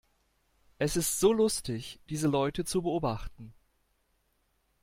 Es ist so lustig, diese Leute zu beobachten!